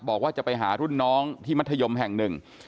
บอกว่าจะไปหารุ่นน้องที่มัธยมแห่งหนึ่ง